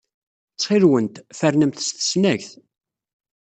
Ttxil-went, fernemt s tesnagt.